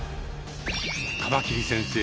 カマキリ先生